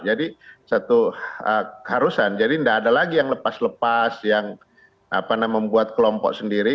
jadi satu keharusan jadi tidak ada lagi yang lepas lepas yang membuat kelompok sendiri